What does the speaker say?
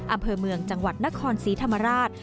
อำเภอเมืองจังหวัดนครศรีธรรมราช